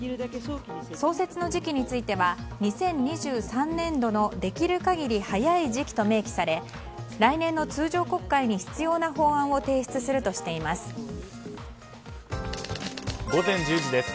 創設の時期については２０２３年度のできる限り早い時期と明記され来年の通常国会に必要な法案を午前１０時です。